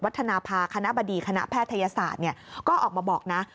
ธนภาคณะบดีคณะแพทยศาสตร์ก็ออกมาบอกนะ